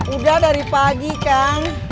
udah dari pagi kang